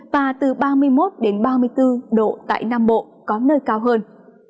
và từ ba mươi một đến ba mươi bốn độ tại nam bộ có nơi cao hơn